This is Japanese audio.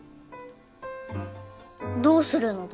どうするのだ？